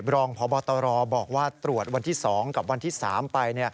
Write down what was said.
รองพบตรบอกว่าตรวจวันที่๒กับวันที่๓ไป